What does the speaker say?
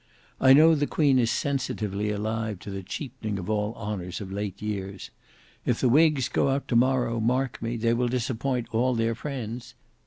I know the Queen is sensitively alive to the cheapening of all honours of late years. If the whigs go out to morrow, mark me, they will disappoint all their friends.